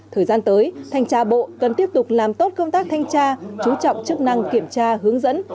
thời gian tới thanh tra bộ cần tiếp tục làm tốt công tác thanh tra chú trọng chức năng kiểm tra hướng dẫn